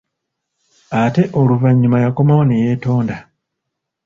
Ate oluvannyuma yakomawo neyeetonda.